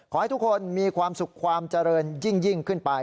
ขอให้ทุกคนมีความสุขความเจริญยิ่งขึ้นไป